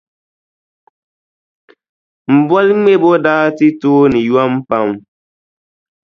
M boliŋmɛbo daa ti tooni yom pam.